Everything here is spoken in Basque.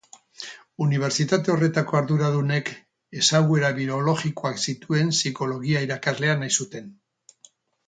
Unibertsitate horretako arduradunek ezaguera biologikoak zituen psikologia irakaslea nahi zuten.